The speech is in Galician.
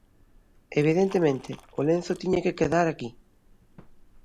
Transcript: Evidentemente, o lenzo tiña que quedar aquí.